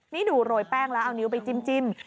นี่ดูโรยแป้งแล้วเอานิ้วไปจิ้ม